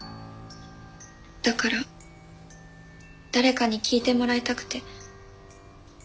だから誰かに聞いてもらいたくて。